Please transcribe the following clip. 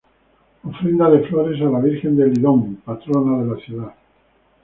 Ofrenda de flores a la Virgen de Lidón, patrona de la ciudad.